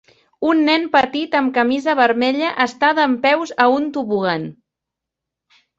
Un nen petit amb camisa vermella està dempeus a un tobogan.